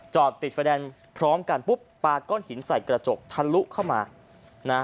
จอดติดไฟแดงพร้อมกันปุ๊บปลาก้อนหินใส่กระจกทะลุเข้ามานะ